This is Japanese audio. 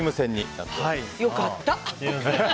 良かった！